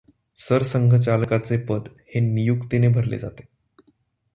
सरसंघचालकाचे पद हे नियुक्तीने भरले जाते.